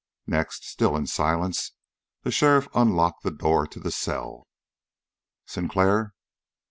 Next, still in silence, the sheriff unlocked the door to the cell. "Sinclair!"